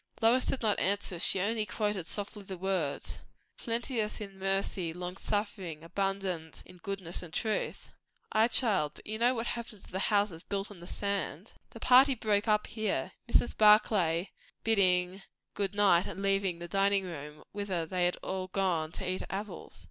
Lois did not answer; she only quoted softly the words "'Plenteous in mercy, long suffering, abundant in goodness and truth.'" "Ay, child; but you know what happens to the houses built on the sand." The party broke up here, Mrs. Barclay bidding good night and leaving the dining room, whither they had all gone to eat apples.